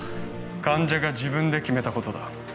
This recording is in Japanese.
患者が自分で決めたことだ